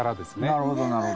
なるほどなるほど。